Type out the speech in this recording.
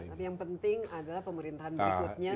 tapi yang penting adalah pemerintahan berikutnya